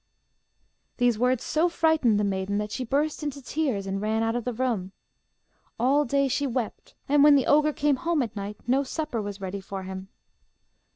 These words so frightened the maiden that she burst into tears and ran out of the room. All day she wept, and when the ogre came home at night, no supper was ready for him.